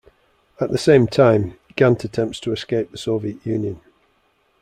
At the same time, Gant attempts to escape the Soviet Union.